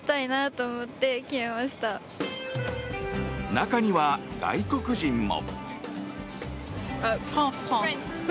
中には、外国人も。